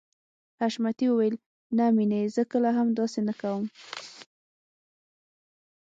حشمتي وويل نه مينې زه کله هم داسې نه کوم.